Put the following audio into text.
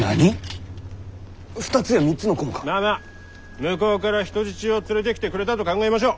向こうから人質を連れてきてくれたと考えましょう。